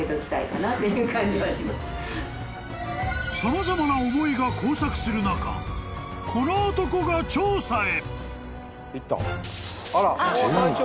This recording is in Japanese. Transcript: ［様々な思いが交錯する中この男が調査へ］